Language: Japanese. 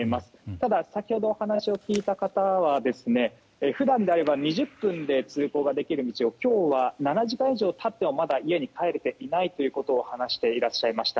ただ、先ほどお話を聞いた方は普段であれば２０分で通行ができる道を今日は７時間以上経ってもまだ家に帰れていないと話していらっしゃいました。